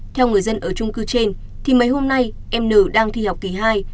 theo người dân ở trung cư trên thì mấy hôm nay em n đang thi học kỳ hai